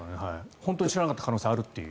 本当に知らなかった可能性があるという。